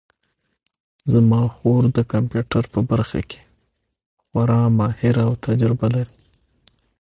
زما خور د کمپیوټر په برخه کې خورا ماهره او تجربه لري